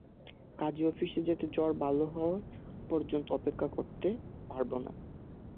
কাজি অফিসে যেতে জ্বর ভালো হওয়া পর্যন্ত অপেক্ষা করতে পারব না।